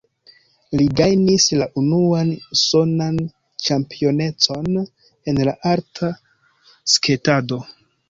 Li gajnis la unuan usonan ĉampionecon en la arta sketado.